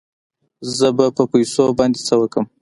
زه به په پيسو باندې څه وکم.